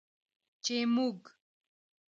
چې موږ